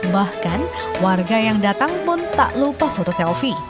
bahkan warga yang datang pun tak lupa foto selfie